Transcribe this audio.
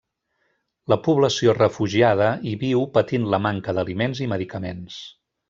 La població refugiada hi viu patint la manca d'aliments i medicaments.